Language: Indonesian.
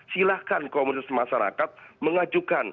silahkan komunitas masyarakat mengajukan